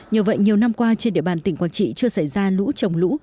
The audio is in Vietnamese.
nhờ vậy nhiều năm qua trên địa bàn tỉnh quảng trị chưa xảy ra lũ trồng lũ